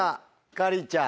かりんちゃん。